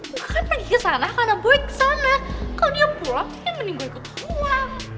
gue kan pergi kesana karena boy kesana kalau dia pulang ya mending gue ikut pulang